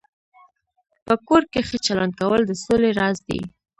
په کور کې ښه چلند کول د سولې راز دی.